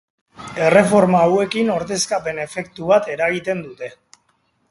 Erreforma hauekin ordezkapen-efektu bat eragiten dute.